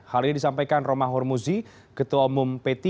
hal ini disampaikan roma hormuzi ketua umum p tiga